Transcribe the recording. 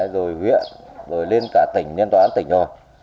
rồi huyện rồi lên cả tỉnh lên tòa án tỉnh rồi